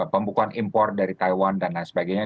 pembukuan impor dari taiwan dan lain sebagainya